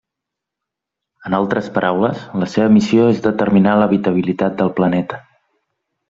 En altres paraules, la seva missió és determinar l'habitabilitat del planeta.